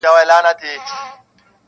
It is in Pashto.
• چا د آس اوږده لکۍ ور مچوله -